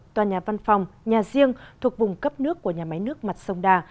tòa nhà văn phòng nhà riêng thuộc vùng cấp nước của nhà máy nước mặt sông đà